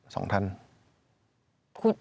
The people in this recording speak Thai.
สองท่าน